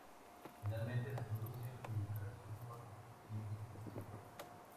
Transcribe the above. Finalmente se produce infiltración con linfocitos.